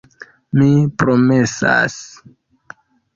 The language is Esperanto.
Mi promesas.